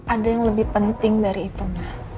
ada yang lebih penting dari itu